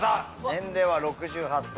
年齢は６８歳。